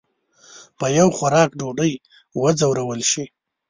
په یو خوراک ډوډۍ وځورول شي.